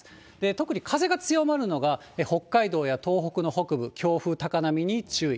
特に風が強まるのが、北海道や東北の北部、強風、高波に注意。